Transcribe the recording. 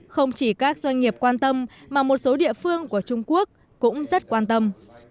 không chỉ các doanh nghiệp quan tâm mà một số địa phương của trung quốc cũng rất quan tâm